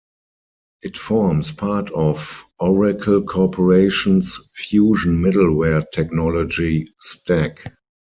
It forms part of Oracle Corporation's Fusion Middleware technology stack.